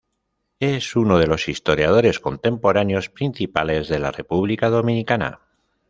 Es uno de los historiadores contemporáneos principales de la República Dominicana.